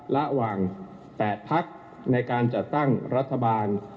ระหว่าง๘พักในการจัดตั้งรัฐบาล